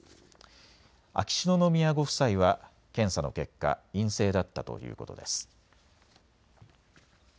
秋篠宮ご夫妻は検査の結果、陰性だったということです。